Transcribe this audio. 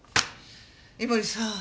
井森さん。